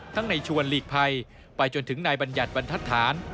ในชวนหลีกภัยไปจนถึงนายบัญญัติบรรทัศน์